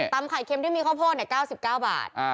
ไข่เค็มที่มีข้าวโพด๙๙บาท